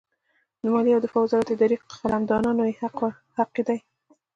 د مالیې او دفاع وزارت اداري قلمدانونه یې حق دي.